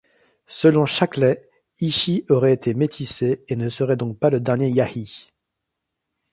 Selon Shackley, Ishi aurait été métissé et ne serait donc pas le dernier Yahi.